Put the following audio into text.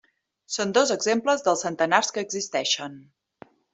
Són dos exemples dels centenars que existeixen.